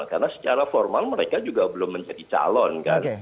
karena secara formal mereka juga belum menjadi calon